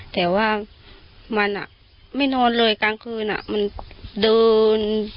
แต่ว่ามันไม่นอนเลยกลางคืนมันเดิน